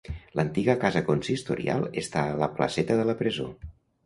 L'antiga casa consistorial està a la Placeta de la presó.